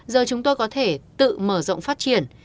giờ chúng tôi có thể tự mở rộng phát triển